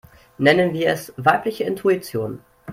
Nennen wir es weibliche Intuition.